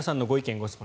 ・ご質問